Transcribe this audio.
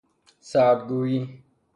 سرد گوئی